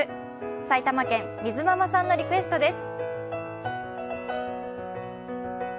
埼玉県、みずママさんのリクエストです。